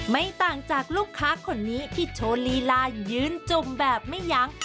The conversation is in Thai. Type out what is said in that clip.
ไม่ต่างจากลูกค้าคนนี้ที่โชว์ลีลายืนจุ่มแบบไม่ยั้ง